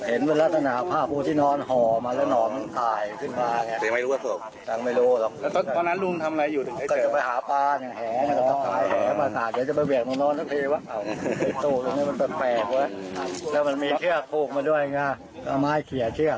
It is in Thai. เอาไว้หนอนมันขึ้นแล้วระหว่างนี้ลอยน้ำเหรอครับ